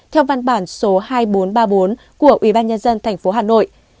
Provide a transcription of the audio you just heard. theo văn bản số hai nghìn bốn trăm ba mươi bốn của ủy ban nhân dân tp hà nội